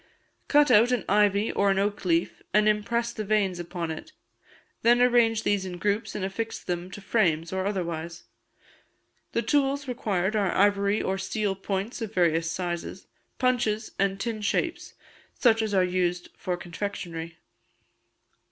Cut out an ivy or an oak leaf, and impress the veins upon it; then arrange these in groups, and affix them to frames, or otherwise. The tools required are ivory or steel points of various sizes, punches, and tin shapes, such as are used for confectionery.